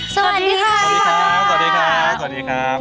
สวัสดีค่ะ